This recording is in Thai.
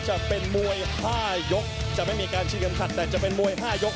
จะเป็นมวย๕ยกจะไม่มีการชิงเข็มขัดแต่จะเป็นมวย๕ยก